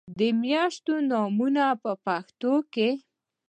د میاشتو نومونه په پښتو کې